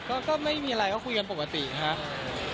ก็ไม่มีอะไรก็คุยกันปกติครับ